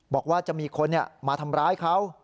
บอกว่าจะมีคนมาทำร้ายเขา